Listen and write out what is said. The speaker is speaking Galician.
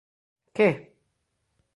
Que?